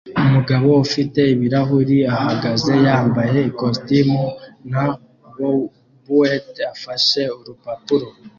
Umugabo ufite ibirahuri ahagaze yambaye ikositimu na bowtie afashe urupapuro